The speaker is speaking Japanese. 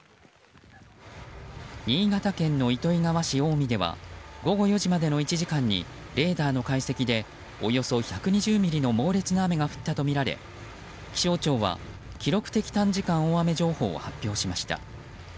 新潟県の糸魚川市青海では午後４時までの１時間にレーダーの解析でおよそ１２０ミリの猛烈な雨が降ったとみられ気象庁は記録的短時間大雨情報を発表しました。